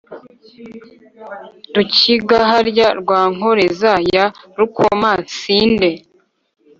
rukigaharya rwa nkoreza ya rukoma-sinde